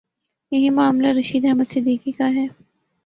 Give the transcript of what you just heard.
یہی معاملہ رشید احمد صدیقی کا ہے۔